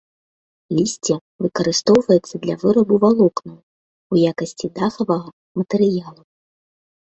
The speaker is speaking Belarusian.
Лісце выкарыстоўваецца для вырабу валокнаў, у якасці дахавага матэрыялу.